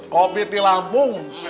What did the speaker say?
kopi di lampung